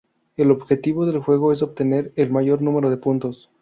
El objetivo del juego es obtener el mayor número de puntos.